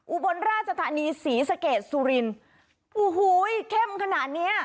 อุบลราชธานีศรีสะเกดสุรินโอ้โหเข้มขนาดเนี้ย